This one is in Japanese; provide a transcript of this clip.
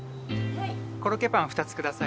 コロッケパン２つください。